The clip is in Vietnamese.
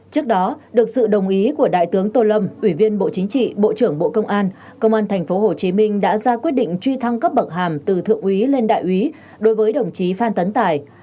trước đó được sự đồng ý của đại tướng tô lâm ủy viên bộ chính trị bộ trưởng bộ công an công an tp hcm đã ra quyết định truy thăng cấp bậc hàm từ thượng úy lên đại úy đối với đồng chí phan tấn tài